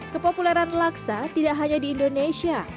kepopuleran laksa tidak hanya di indonesia